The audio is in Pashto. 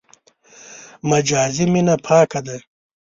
مجازي مینه پاکه ده.